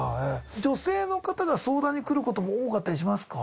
女性の方が相談に来ることも多かったりしますか？